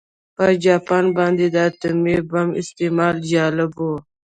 په جاپان باندې د اتومي بم استعمال جالب و